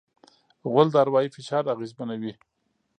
غول د اروایي فشار اغېزمنوي.